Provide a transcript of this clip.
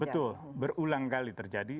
betul berulang kali terjadi